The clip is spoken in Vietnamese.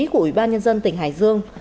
của ủy ban nhân dân tỉnh hải dương